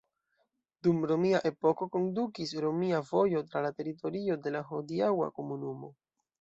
Dum romia epoko kondukis romia vojo tra la teritorio de la hodiaŭa komunumo.